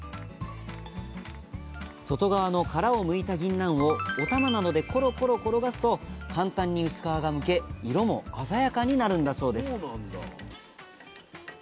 外側の殻をむいたぎんなんをおたまなどでコロコロ転がすと簡単に薄皮がむけ色も鮮やかになるんだそうです